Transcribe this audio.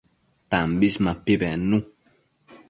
Tambis mapi bednu